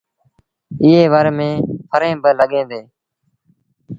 ايئي وڻ ميݩ ڦريٚݩ با لڳيٚن ديٚݩ۔